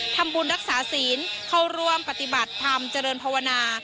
ทำบุญรักษาศีลเข้าร่วมปฏิบัติธรรมเจริญภาวนา